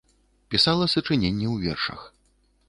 Пісала сачыненні ў вершах.